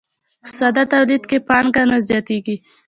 په ساده تولید کې پانګه نه زیاتېږي